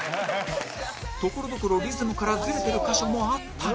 所々リズムからズレてる箇所もあったが